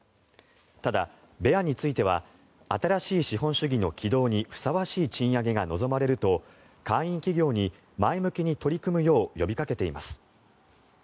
ただ、ベアについては新しい資本主義の起動にふさわしい賃上げが望まれると会員企業に前向きに取り組むよう呼びかけています。